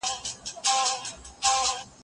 هغه وويل چي پوښتنه مهمه ده،